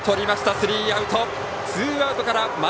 スリーアウト。